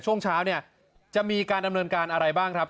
ช่วงเช้าเนี่ยจะมีการดำเนินการอะไรบ้างครับ